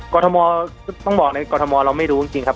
กรทมออกต้องบอกนะครับกรทมออกเราไม่รู้จริงครับ